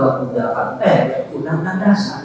undang undang dasar